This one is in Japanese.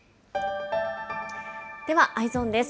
では、Ｅｙｅｓｏｎです。